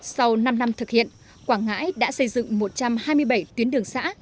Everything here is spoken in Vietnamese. sau năm năm thực hiện quảng ngãi đã xây dựng một trăm hai mươi bảy tuyến đường xã